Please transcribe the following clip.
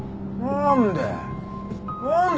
何で？